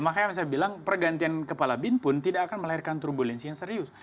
makanya saya bilang pergantian kepala bin pun tidak akan melahirkan turbulensi yang serius